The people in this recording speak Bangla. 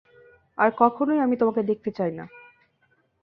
আর কখনোই আমি তোমাকে দেখতে চাই না।